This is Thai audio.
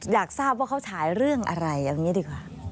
อยากทราบว่าเขาฉายเรื่องอะไรเอาอย่างนี้ดีกว่า